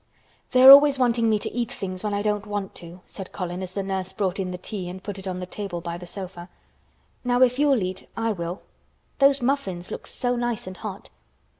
"They are always wanting me to eat things when I don't want to," said Colin, as the nurse brought in the tea and put it on the table by the sofa. "Now, if you'll eat I will. Those muffins look so nice and hot.